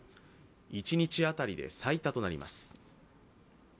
一日当たりで最多となります。